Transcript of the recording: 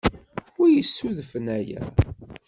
Wi yessudfen aya?